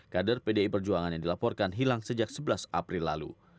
kader pdi perjuangan yang dilaporkan hilang sejak sebelas april lalu